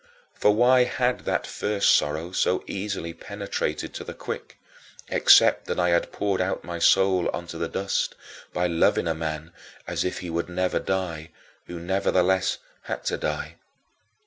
For why had that first sorrow so easily penetrated to the quick except that I had poured out my soul onto the dust, by loving a man as if he would never die who nevertheless had to die?